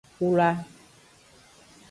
Wla.